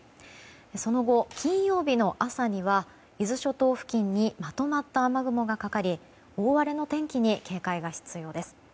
その後、金曜日の朝には伊豆諸島付近にまとまった雨雲がかかり大荒れの天気に警戒が必要です。